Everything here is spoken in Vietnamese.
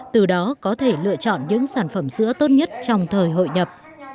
từ đó có thể lựa chọn những sản phẩm sữa tốt nhất trong thời hội nhập